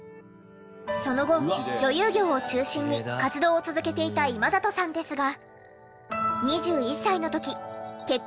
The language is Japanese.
その後女優業を中心に活動を続けていた今里さんですが。